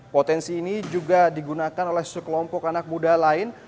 potensi ini juga digunakan oleh sekelompok anak muda lain